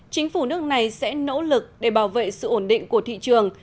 chính phủ nước này sẽ nỗ lực để bảo vệ sự ổn định của thị trường